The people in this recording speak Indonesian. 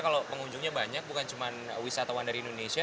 kalau pengunjungnya banyak bukan cuma wisatawan dari indonesia